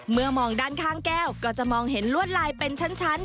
มองด้านข้างแก้วก็จะมองเห็นลวดลายเป็นชั้น